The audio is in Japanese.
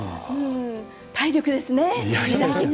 体力ですね。